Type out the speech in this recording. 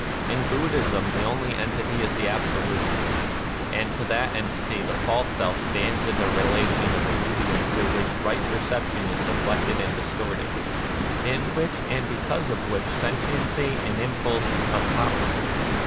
In Bud dhism the only entity is the Absolute ; and to that entity the false self stands in the rela tion of a medium through which right percep tion is deflected and distorted, — in which and because of which sentiency and impulse be come possible.